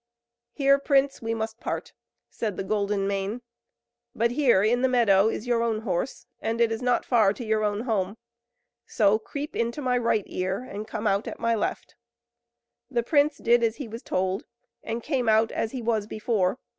"Here, prince, we must part," said the Golden Mane; "but here in the meadow is your own horse, and it is not far to your own home, so creep into my right ear, and come out at my left." [Illustration: THE DWARF DEFEATED] The prince did as he was told, and came out as he was before.